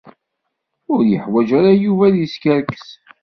Ur yeḥwaǧ ara Yuba ad yeskerkes.